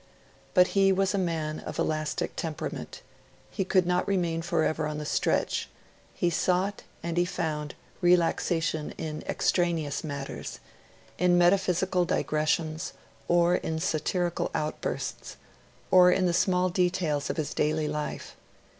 But he was a man of elastic temperament; he could not remain forever upon the stretch; he sought, and he found, relaxation in extraneous matters in metaphysical digressions, or in satirical outbursts, or in the small details of his daily life.